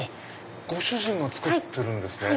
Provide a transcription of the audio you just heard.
ご主人が作ってるんですね。